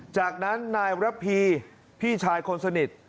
จากนั้นนายระพีพี่ชายคนสนิท